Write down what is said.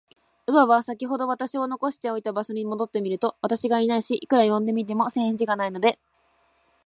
乳母は、さきほど私を残しておいた場所に戻ってみると、私がいないし、いくら呼んでみても、返事がないので、